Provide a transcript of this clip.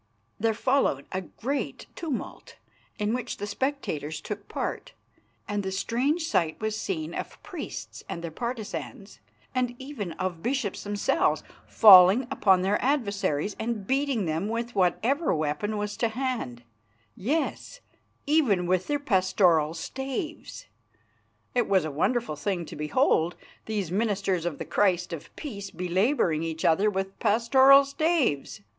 There followed a great tumult, in which the spectators took part, and the strange sight was seen of priests and their partisans, and even of bishops themselves, falling upon their adversaries and beating them with whatever weapon was to hand; yes, even with their pastoral staves. It was a wonderful thing to behold, these ministers of the Christ of peace belabouring each other with pastoral staves!